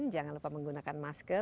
jangan lupa menggunakan masker